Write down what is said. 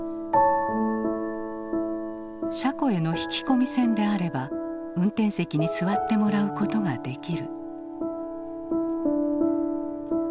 車庫への引き込み線であれば運転席に座ってもらうことができる。